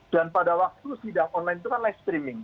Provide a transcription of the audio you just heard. pada waktu sidang online itu kan live streaming